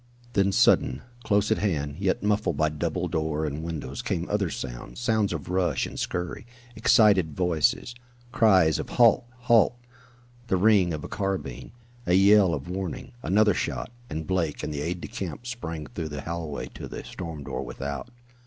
Then sudden, close at hand, yet muffled by double door and windows, came other sounds sounds of rush and scurry, excited voices, cries of halt! halt! the ring of a carbine, a yell of warning another shot, and Blake and the aide de camp sprang through the hallway to the storm door without.